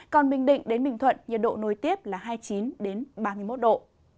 còn bình định đến bình thuận nhiệt độ nối tiếp là hai mươi chín ba mươi một độ